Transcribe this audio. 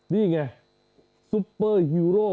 นี่ไงซุปเปอร์ฮีโร่